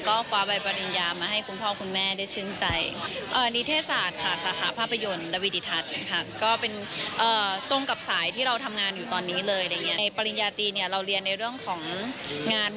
ก็คว้าใบปริญญามาให้คุณพ่อคุณแม่ได้ชื่นใจ